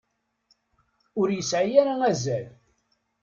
Ur yesɛi ara azal.